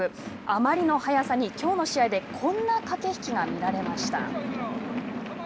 あまりの速さにきょうの試合でこんな駆け引きが見られました。